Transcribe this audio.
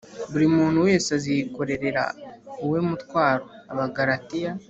buri muntu wese aziyikorerera uwe mutwaro Abagalatiya